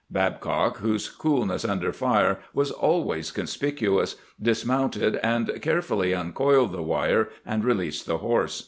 Babcock, whose coolness' under fire was always conspicuous, dismounted, and carefuUy uncoiled the wire and released the horse.